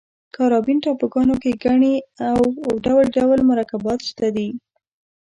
کارابین ټاپوګانو کې ګني او ډول ډول مرکبات شته دي.